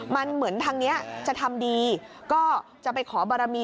มันเหมือนทางนี้จะทำดีก็จะไปขอบารมี